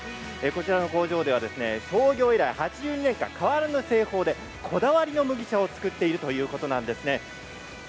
こちらの工場では創業以来８２年間変わらぬ製法でこだわりの麦茶を作っているということなんですね。